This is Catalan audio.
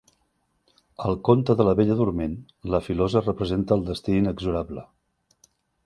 Al conte de la Bella Dorment la filosa representa el destí inexorable.